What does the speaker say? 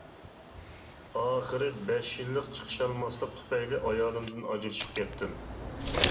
ئاخىر بەش يىللىق چىقىشالماسلىق تۈپەيلى ئايالىمدىن ئاجرىشىپ كەتتىم.